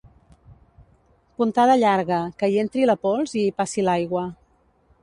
Puntada llarga, que hi entri la pols i hi passi l'aigua.